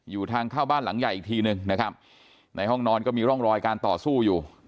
อยู่ทางเข้าบ้านหลังใหญ่อีกทีหนึ่งนะครับในห้องนอนก็มีร่องรอยการต่อสู้อยู่